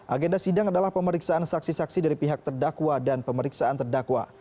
agenda sidang adalah pemeriksaan saksi saksi dari pihak terdakwa dan pemeriksaan terdakwa